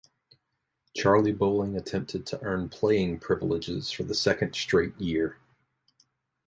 Charlie Bolling attempted to earn playing privileges for the second straight year.